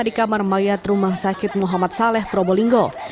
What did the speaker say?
kondisi korban terjadi di kamar mayat rumah sakit muhammad saleh probolinggo